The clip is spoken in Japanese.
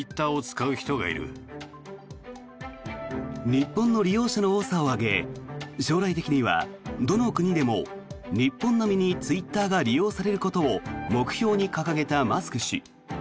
日本の利用者の多さを挙げ将来的にはどの国でも日本並みにツイッターが利用されることを目標に掲げたマスク氏。